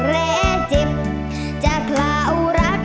และเจ็บจะคลาวรัก